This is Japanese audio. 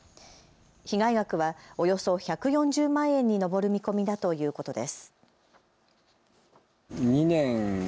被害額はおよそ１４０万円に上る見込みだということです。